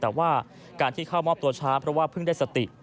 แต่ว่าการที่เข้ามอบตัวช้าเพราะว่าเพิ่งได้สติ